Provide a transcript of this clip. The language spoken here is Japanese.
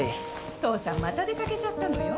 父さんまた出掛けちゃったのよ。